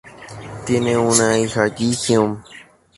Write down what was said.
Tienen una hija, Ji-hyun.